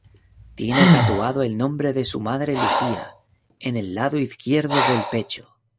Tiene tatuado el nombre de su madre "Lucía" en el lado izquierdo del pecho.